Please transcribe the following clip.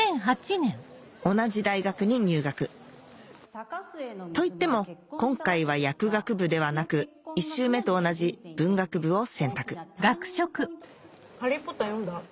同じ大学に入学といっても今回は薬学部ではなく１周目と同じ文学部を選択『ハリー・ポッター』読んだ？